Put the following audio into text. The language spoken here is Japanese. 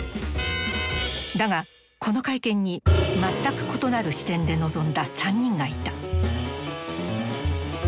だがこの会見に全く異なる視点で臨んだ３人がいた。